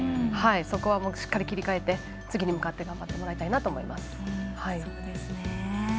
そこはしっかり切り替えて次に向かって頑張ってもらいたいなと思います。